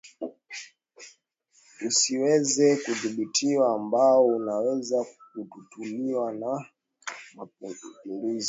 usioweza kudhibitiwa ambao unaweza kutatuliwa tu kwa mapinduzi